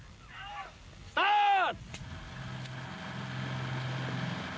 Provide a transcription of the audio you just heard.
スタート。